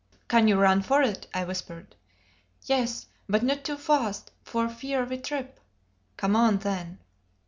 "Can you run for it?" I whispered. "Yes, but not too fast, for fear we trip.' "Come on, then!"